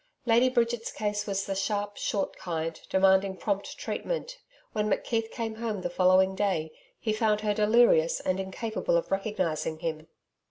Lady Bridget's case was the sharp, short kind demanding prompt treatment. When McKeith came home the following day, he found her delirious, and incapable of recognizing him.